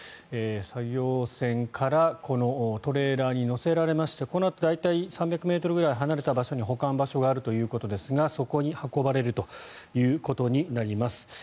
作業船からトレーラーに載せられましてこのあと大体３００ｍぐらい離れた場所に保管場所があるということですがそこに運ばれるということになります。